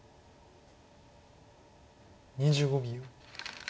２５秒。